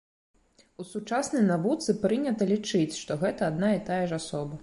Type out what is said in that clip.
У сучаснай навуцы прынята лічыць, што гэта адна і тая ж асоба.